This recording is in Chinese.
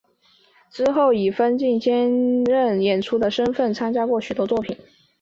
之后以分镜兼任演出的身分参加过许多作品。